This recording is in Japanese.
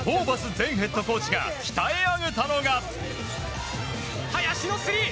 前ヘッドコーチが鍛え上げたのが。